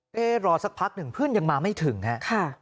ไปรอสักพักหนึ่งเพื่อนยังมาไม่ถึงฮะ